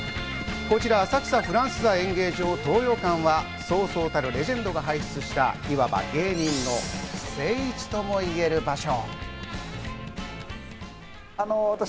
こちら浅草フランス座演芸場東洋館は、そうそうたるレジェンドを輩出した、いわば芸人の聖地とも言える場所。